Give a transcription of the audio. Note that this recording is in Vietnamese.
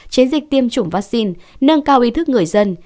chiến dịch tiêm chủng vaccine nâng cao ý thức người dân